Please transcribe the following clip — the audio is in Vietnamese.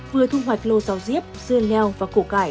vừa thu hoạch lô rau diếp dưa leo và củ cải